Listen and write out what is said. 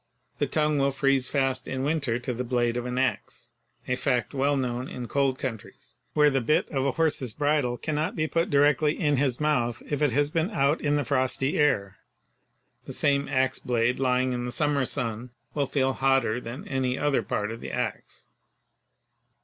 The tongue will freeze fast in winter to the blade of an ax, a fact well known in cold countries where the bit of a horse's bridle cannot be put directly in his mouth if it has been out in the frosty air. The same ax blade lying in the summer sun will feel hotter than any other part of the ax.